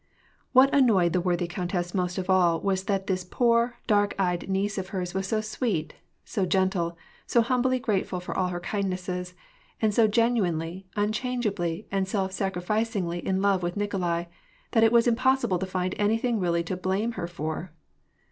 What annoyed the worthy countess most of all was that this poor, dark eyed niece of hers was so sweet, so gentle, so humbly grateful for all her kindnesses ; and so genuinely, unchangeably, and self sacrifi cingly in lo^e with Nikolai, that it was impossible to find any thing really to blame her for.